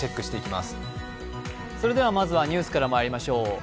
まずは、ニュースからまいりましょう。